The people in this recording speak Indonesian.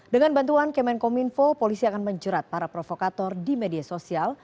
dengan bantuan kemenkominfo polisi akan menjerat para provokator di media sosial